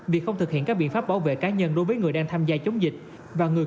việc không thực hiện các biện pháp bảo vệ cá nhân đối với người đang tham gia chống dịch và người